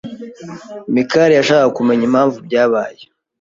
Mikali yashakaga kumenya impamvu byabaye.